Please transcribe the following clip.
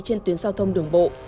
trên tuyến giao thông đường bộ